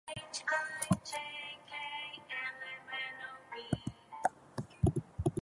She wrote the track with Jason Blaine and producer Jeff Pardo.